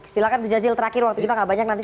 silahkan bu jazil terakhir waktu kita